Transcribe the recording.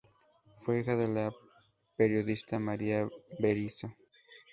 Fue hija de la periodista María Berisso.